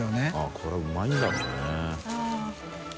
これうまいんだろうね。